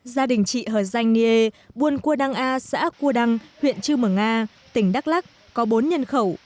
gia đình chị hờ danh nghê buôn qua đăng a xã qua đăng huyện chư mở nga tỉnh đắk lắc có bốn nhân khẩu